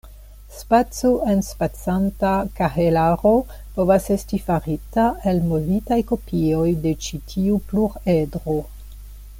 Spaco-enspacanta kahelaro povas esti farita el movitaj kopioj de ĉi tiu pluredro.